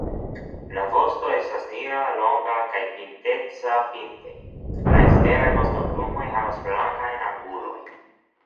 La vosto estas nigra, longa, kaj pinteca pinte; la eksteraj vostoplumoj havas blankajn angulojn.